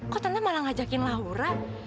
kok tante malah ngajakin laura